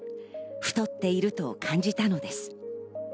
太っていると感じたのです。